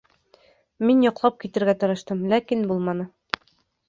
Мин йоҡлап китергә тырыштым, ләкин булманы